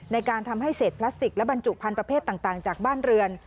ในการทำให้เศษพลาสติกและบรรจุพันธุ์ประเภทต่างจากบ้านเรือน